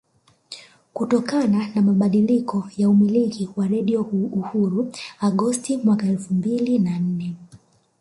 Kutokana na mabadiliko ya umiliki wa Radio Uhuru Agosti mwaka elfu mbili na nne